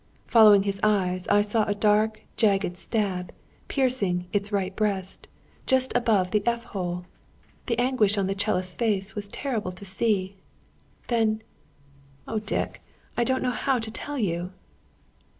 Following his eyes, I saw a dark jagged stab, piercing its right breast, just above the f hole. The anguish on the 'cellist's face, was terrible to see. Then oh, Dick, I don't know how to tell you!"